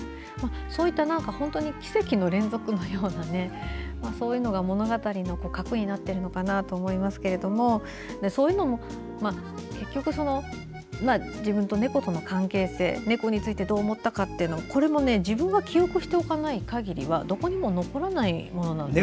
そういった奇跡の連続のようなそういうのが物語の核になっているのかなと思いますがそういうのも結局自分と猫との関係性猫についてどう思ったかというこれも自分が記憶しておかない限りはどこにも残らないものなんですね。